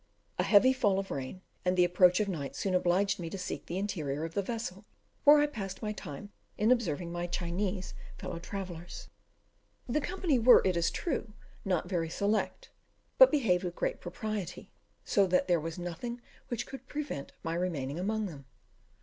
A heavy fall of rain, and the approach of night, soon obliged me to seek the interior of the vessel, where I passed my time in observing my Chinese fellow travellers. The company were, it is true, not very select, but behaved with great propriety, so that there was nothing which could prevent my remaining among them.